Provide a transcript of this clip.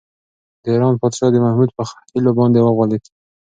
د ایران پادشاه د محمود په حيلو باندې وغولېد.